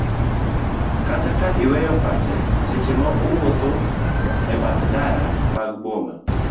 kata ka iweyo pache seche ma owuodho e bath ndara mag boma